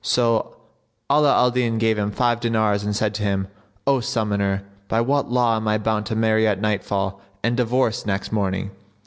So Ala al Din gave him five dinars and said to him, "O Summoner, by what law am I bound to marry at nightfall and divorce next morning?"